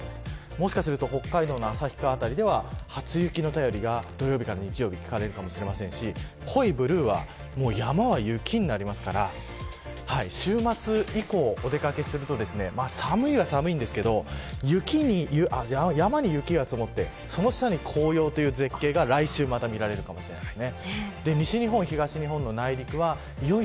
もしかすると北海道の旭川辺りでは初雪の便りが土曜日から日曜日に聞かれるかもしれませんし濃いブルーは山は雪になりますから週末以降お出掛けすると寒いは寒いんですけど山に雪が積もってその下に紅葉という絶景が来週また見られるかもしれないです。